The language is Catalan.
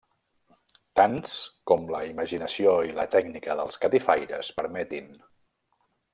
Tants com la imaginació i la tècnica dels catifaires permetin.